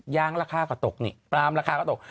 ยางราคาก็ตกนี่ปลามราคาก็ตก